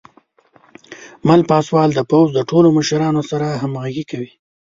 مل پاسوال د پوځ د ټولو مشرانو سره همغږي کوي.